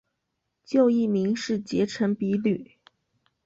旧艺名是结城比吕。